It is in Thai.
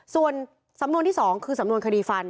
ส่วนสำนวนที่๒คือสำนวนคดีฟัน